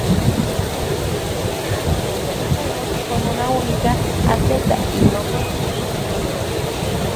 Turkmenistán acudió a los Juegos con una única atleta, y no consiguió ninguna medalla.